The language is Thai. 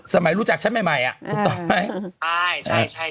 รู้จักฉันใหม่อ่ะถูกต้องไหม